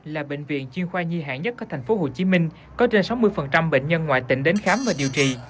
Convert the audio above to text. là bệnh viện chuyên khoa nhi hạn nhất của tp hcm có trên sáu mươi bệnh nhân ngoại tỉnh đến khám và điều trị